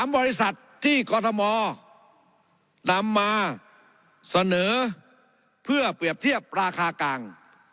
บริษัทที่กรทมนำมาเสนอเพื่อเปรียบเทียบราคากลาง